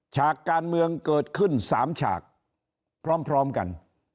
ฉากการเมืองเกิดขึ้น๓ฉากพร้อมกัน